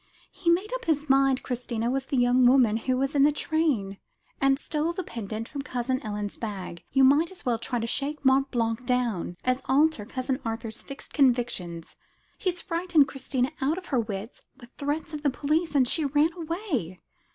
"He made up his mind Christina was the young woman who was in the train, and stole the pendant from Cousin Ellen's bag, and you might as well try to shake Mont Blanc down, as alter Cousin Arthur's fixed convictions. He frightened Christina out of her wits with threats of the police, and she ran away."